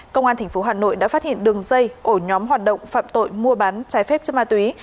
công an tp hà nội đã phát hiện đường dây ổ nhóm hoạt động phạm tội mua bán trái phép chất ma túy